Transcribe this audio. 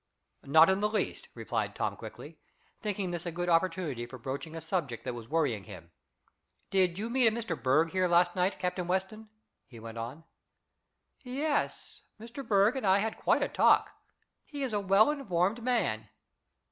"Not in the least," replied Tom quickly, thinking this a good opportunity for broaching a subject that was worrying him. "Did you meet a Mr. Berg here last night, Captain Weston?" he went on. "Yes. Mr. Berg and I had quite a talk. He is a well informed man."